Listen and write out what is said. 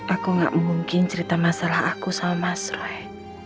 aku gak mungkin cerita masalah aku sama mas roy